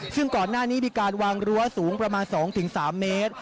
ซึ่งก่อนหน้านี้มีการวางรั้วสูงประมาณ๒๓เมตร